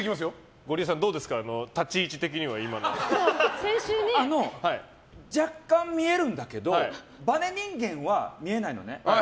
ゴリエさん、立ち位置的にはあの、若干見えるんだけどバネ人間は見えないのね。